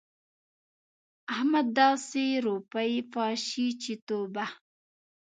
احمد داسې روپۍ پاشي چې توبه!